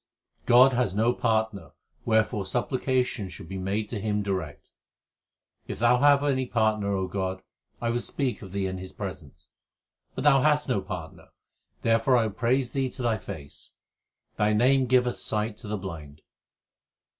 God has no partner, wherefore supplication should be made to Him direct : If Thou have any partner, God, I will speak of Thee in his presence. But Thou hast no partner, therefore will I praise Thee to Thy face. Thy name giveth sight to the blind.